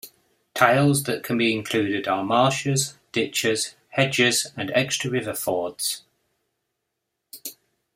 Tiles that can be included are marshes, ditches, hedges and extra river fords.